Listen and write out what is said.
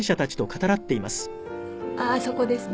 あっあそこですね。